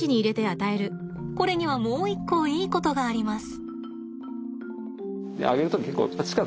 これにはもう一個いいことがあります。